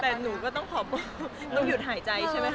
แต่หนูก็ต้องหยุดหายใจใช่ไหมค่ะ